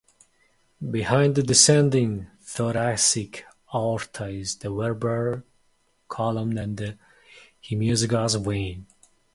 Behind the descending thoracic aorta is the vertebral column and the hemiazygos vein.